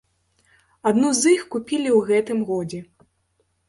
Адну з іх купілі ў гэтым годзе.